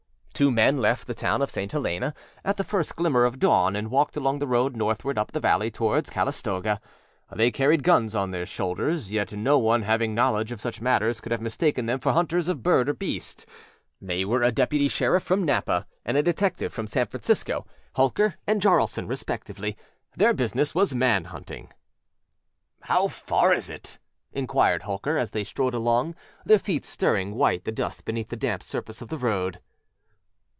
Two men left the town of St. Helena at the first glimmer of dawn, and walked along the road northward up the valley toward Calistoga. They carried guns on their shoulders, yet no one having knowledge of such matters could have mistaken them for hunters of bird or beast. They were a deputy sheriff from Napa and a detective from San FranciscoâHolker and Jaralson, respectively. Their business was man hunting. âHow far is it?â inquired Holker, as they strode along, their feet stirring white the dust beneath the damp surface of the road.